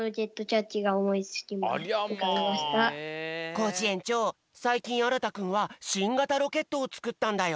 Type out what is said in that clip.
コージえんちょうさいきんあらたくんはしんがたロケットをつくったんだよ。